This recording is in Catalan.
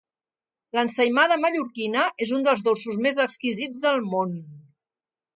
L'ensaïmada mallorquina és un dels dolços més exquisits del món.